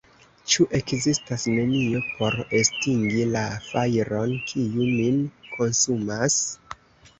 Ĉu ekzistas nenio por estingi la fajron, kiu min konsumas?